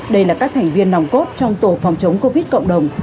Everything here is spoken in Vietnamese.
đây là các thành viên nòng cốt trong tổ phòng chống covid cộng đồng